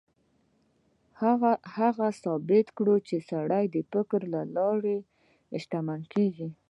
هغه ثابته کړه چې سړی د فکر له لارې شتمنېږي.